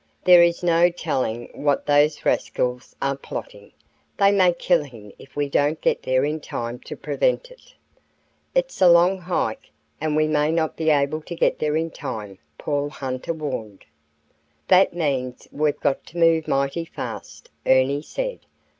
"There is no telling what those rascals are plotting. They may kill him if we don't get there in time to prevent it." "It's a long hike, and we may not be able to get there in time," Paul Hunter warned. "That means we've got to move mighty fast," Ernie said.